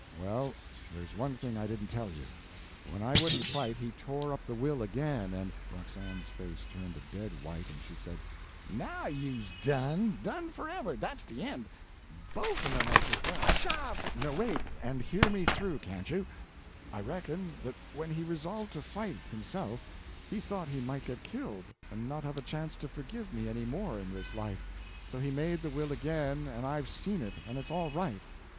"Well, there's one thing I didn't tell you. When I wouldn't fight, he tore up the will again, and " Roxana's face turned a dead white, and she said "Now you's done! done forever! Dat's de end. Bofe un us is gwyne to starve to " "Wait and hear me through, can't you! I reckon that when he resolved to fight, himself, he thought he might get killed and not have a chance to forgive me any more in this life, so he made the will again, and I've seen it, and it's all right.